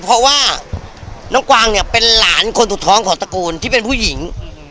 เพราะว่าน้องกวางเนี่ยเป็นหลานคนสุดท้องของตระกูลที่เป็นผู้หญิง